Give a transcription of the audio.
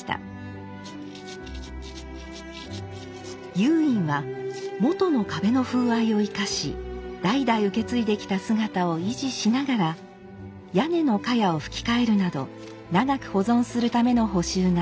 又隠はもとの壁の風合いを生かし代々受け継いできた姿を維持しながら屋根のかやをふき替えるなど長く保存するための補修が施されました。